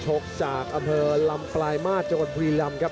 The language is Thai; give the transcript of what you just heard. ชกจากอำเภอลำปลายมาตรจังหวัดบุรีลำครับ